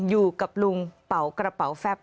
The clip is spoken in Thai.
อยู่กับลุงเป่ากระเป๋าแฟบ